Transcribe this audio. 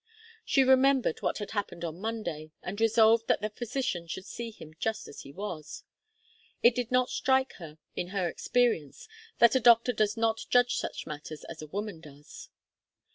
She remembered what had happened on Monday, and resolved that the physician should see him just as he was. It did not strike her, in her experience, that a doctor does not judge such matters as a woman does.